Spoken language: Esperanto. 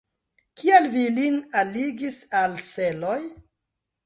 Kial vi ilin alligis al seloj?